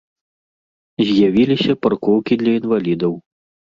З'явіліся паркоўкі для інвалідаў.